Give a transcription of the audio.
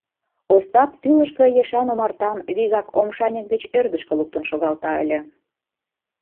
Остап тӱлыжгӧ ешан омартам вигак омшаньык гыч ӧрдыжкӧ луктын шогалта ыле.